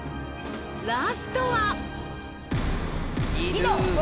ラストは。